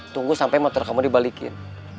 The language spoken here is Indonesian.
tunggu sampai motor kamu dibalikin